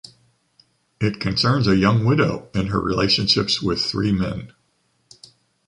It concerns a young widow and her relationships with three men.